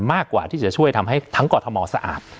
มากกว่าที่จะช่วยทำให้ทั้งกรทมสะอาด